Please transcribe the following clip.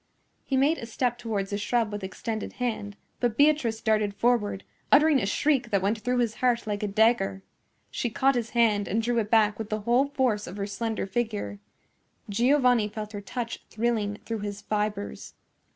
He made a step towards the shrub with extended hand; but Beatrice darted forward, uttering a shriek that went through his heart like a dagger. She caught his hand and drew it back with the whole force of her slender figure. Giovanni felt her touch thrilling through his fibres.